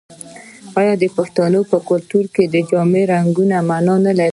آیا د پښتنو په کلتور کې د جامو رنګونه مانا نلري؟